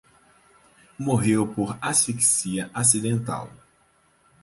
Morreu por asfixia acidental